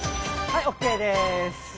はいＯＫです。